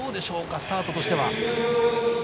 スタートとしては。